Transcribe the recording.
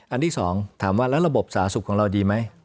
อันที่๒ถามว่าแล้วระบบสาธารณสุขของเราดีไหม